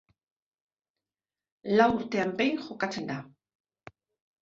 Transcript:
Lau urtean behin jokatzen da.